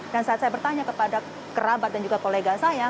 dan saat saya bertanya kepada kerabat dan juga kolega saya